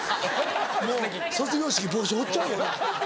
もう卒業式帽子放っちゃうよ。